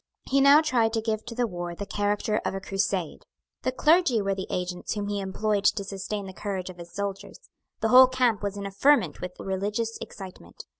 He now tried to give to the war the character of a crusade. The clergy were the agents whom he employed to sustain the courage of his soldiers. The whole camp was in a ferment with religious excitement.